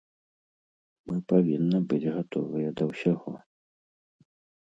Мы павінны быць гатовыя да ўсяго.